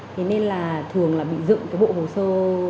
thế nên là thường là bị dựng cái bộ hồ sơ